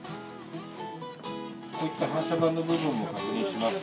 こういった反射板の部分も確認します。